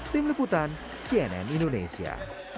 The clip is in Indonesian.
tim liputan cnn indonesia